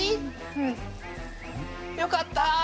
うん！よかった！